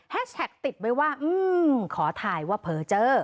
แท็กติดไว้ว่าขอถ่ายว่าเผลอเจอ